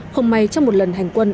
không may trong một lần hành quân